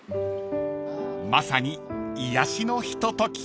［まさに癒やしのひととき］